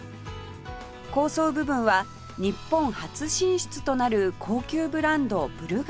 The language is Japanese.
高層部分は日本初進出となる高級ブランドブルガリのホテル